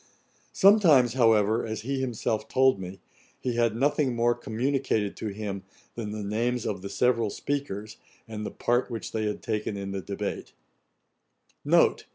Sometimes, however, as he himself told me, he had nothing more communicated to him than the names of the several speakers, and the part which they had taken in the debate.